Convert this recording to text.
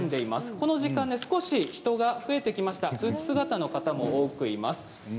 この時間、人が増えてきましたスーツ姿の方も多くいます。